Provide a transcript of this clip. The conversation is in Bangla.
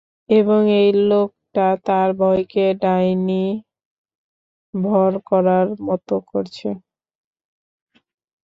এবং এই লোকটা তার ভয়কে ডাইনি ভর করার মতো করেছে।